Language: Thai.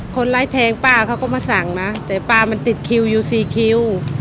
ไร้แทงป้าเขาก็มาสั่งนะแต่ป้ามันติดคิวอยู่สี่คิว